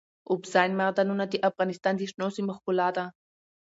اوبزین معدنونه د افغانستان د شنو سیمو ښکلا ده.